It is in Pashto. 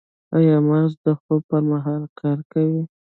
ایا مغز د خوب پر مهال کار کوي؟